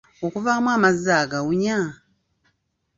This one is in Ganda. Okuvaamu amazzi agawunya?